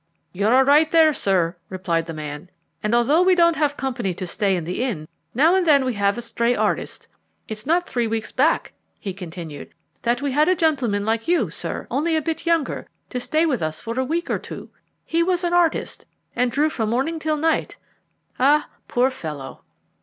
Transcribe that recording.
"You are right there, sir," replied the man; "and although we don't often have company to stay in the inn, now and then we have a stray artist. It's not three weeks back," he continued, "that we had a gentleman like you, sir, only a bit younger, to stay with us for a week or two. He was an artist, and drew from morning till night ah, poor fellow!"